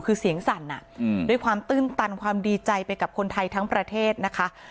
คือเสียงสั่นด้วยความตื้นตันความดีใจไปกับคนไทยทั้งประเทศนะคะ